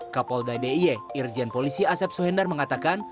kapolda d i e irjen polisi asep sohendar mengatakan